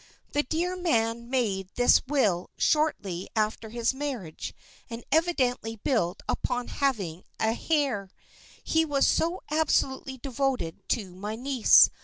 "The dear man made this will shortly after his marriage, and evidently built upon having an heir he was so absolutely devoted to my niece.